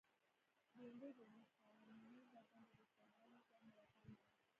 بېنډۍ د انساني بدن د دفاعي نظام ملاتړې ده